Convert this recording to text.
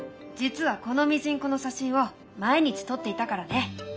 実はこのミジンコの写真を毎日撮っていたからね。